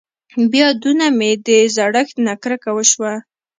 بيا دونه مې د زړښت نه کرکه وشوه.